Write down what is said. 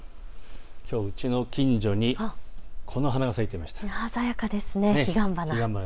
きょう、うちの近所にこの花が咲いていました。